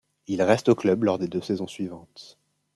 Il reste au club lors des deux saisons suivantes.